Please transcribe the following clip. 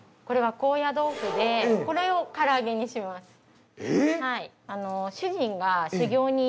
これは高野豆腐でこれを唐揚げにします。